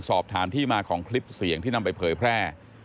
สอบถามที่มาของคลิปเสียงที่นำไปเผยแพร่